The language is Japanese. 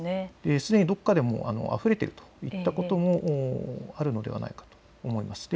すでにどこかであふれているといったこともあるのではないかと思います。